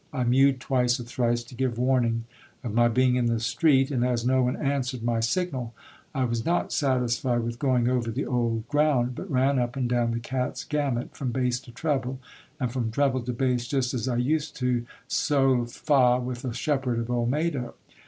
I mewed twice or thrice to give warning of my being in the street ; and, as no one answered my signal, I was not satisfied with going over the old ground, but ran up and down the cat's gamut from bass to treble, and from treble to bass, just as I used to sol fa with a shepherd of Olmedo.